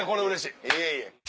いえいえ。